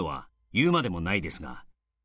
「言うまでも無いですが」